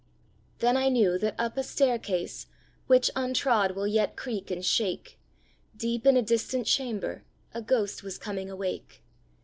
Then I knew that, up a staircase, Which untrod will yet creak and shake, Deep in a distant chamber, A ghost was coming awake.